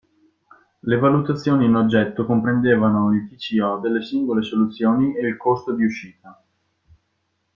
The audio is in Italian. Le valutazioni in oggetto comprendevano il TCO delle singole soluzioni e il costo di uscita.